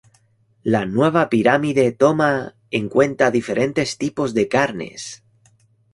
La nueva pirámide toma en cuenta diferentes tipos de carnes.